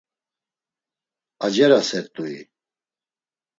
Acerasert̆ui?